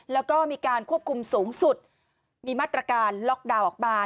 แล้วก็มีการควบคุมสูงสุดมีมาตรการล็อกดาวน์ออกมา